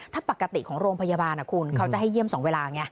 ถ้าปกติของโรงพยาบาลคุณเขาจะให้เยี่ยม๒เวลาไง